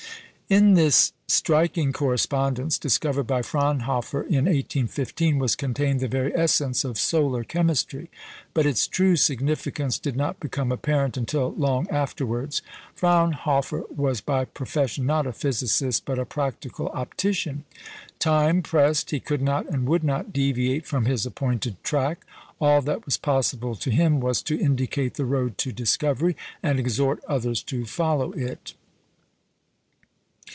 In this striking correspondence, discovered by Fraunhofer in 1815, was contained the very essence of solar chemistry; but its true significance did not become apparent until long afterwards. Fraunhofer was by profession, not a physicist, but a practical optician. Time pressed; he could not and would not deviate from his appointed track; all that was possible to him was to indicate the road to discovery, and exhort others to follow it.